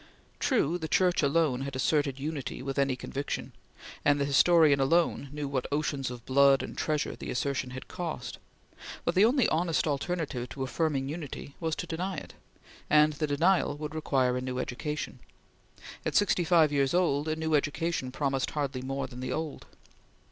True, the Church alone had asserted unity with any conviction, and the historian alone knew what oceans of blood and treasure the assertion had cost; but the only honest alternative to affirming unity was to deny it; and the denial would require a new education. At sixty five years old a new education promised hardly more than the old.